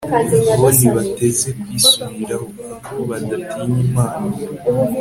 bo ntibateze kwisubiraho, kuko badatinya imana